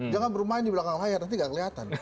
jangan bermain di belakang layar nanti gak kelihatan